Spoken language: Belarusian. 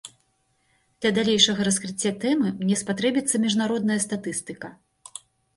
Для далейшага раскрыцця тэмы мне спатрэбіцца міжнародная статыстыка.